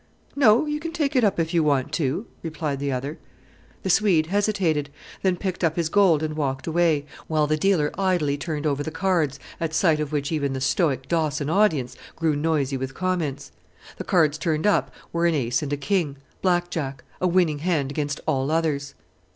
"No, you can take it up if you want to," replied the other. The Swede hesitated, then picked up his gold and walked away, while the dealer idly turned over the cards, at sight of which even the stoic Dawson audience grew noisy with comments. The cards turned up were an ace and a king Black Jack, a winning hand against all others.